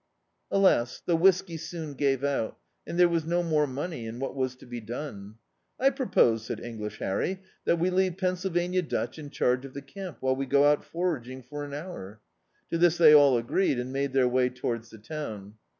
Alas, the whisky soon gave out, and there was no more money, and what was to be done? "I propose," said English Harry, "that we leave Penn sylvania Dutch in charge of the camp while we go out foraging for an hour." To this they all agreed, and made their way towards the town.